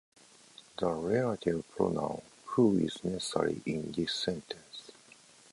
The relative pronoun "who" is necessary in this sentence.